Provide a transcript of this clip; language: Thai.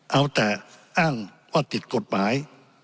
เอาแต่อ้างว่าติดกฎหมาย